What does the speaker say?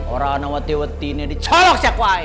orang anak watih watih ini dicolok siap wai